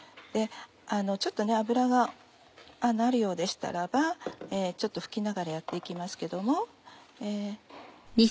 ちょっと脂があるようでしたらちょっと拭きながらやって行きますけども。